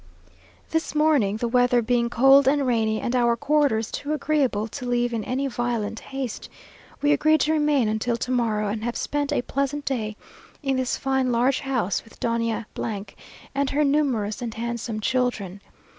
This morning, the weather being cold and rainy, and our quarters too agreeable to leave in any violent haste, we agreed to remain until to morrow, and have spent a pleasant day in this fine large house, with Doña , and her numerous and handsome children.